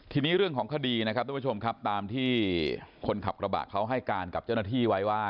ทีนี้เรื่องของคดีนะครับทุกผู้ชมครับตามที่คนขับกระบะเขาให้การกับเจ้าหน้าที่ไว้ว่า